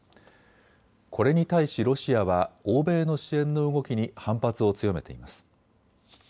これに対しロシアは欧米の支援の動きに反発を強めています。